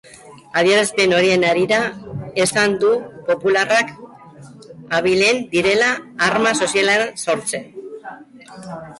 Adierazpen horien harira, esan du popularrak abilak direla alarma soziala sortzen.